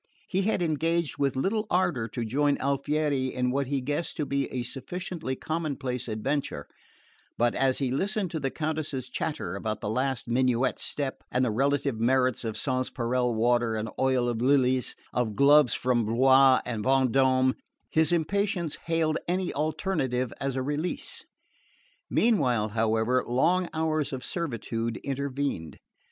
He had engaged with little ardour to join Alfieri in what he guessed to be a sufficiently commonplace adventure; but as he listened to the Countess's chatter about the last minuet step, and the relative merits of sanspareil water and oil of lilies, of gloves from Blois and Vendome, his impatience hailed any alternative as a release. Meanwhile, however, long hours of servitude intervened.